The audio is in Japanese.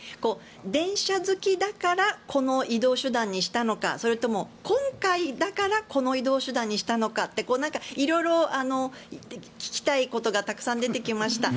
電車好きだからこの移動手段にしたのかそれとも今回だからこの移動手段にしたのかって色々聞きたいことがたくさん出てきました。